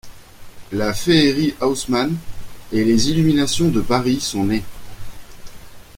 La féerie Haussmann et les illuminations de Paris sont nés.